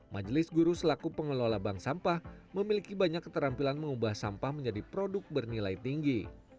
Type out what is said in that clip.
majelis guru selaku pengelola bank sampah memiliki banyak keterampilan mengubah sampah menjadi produk bernilai tinggi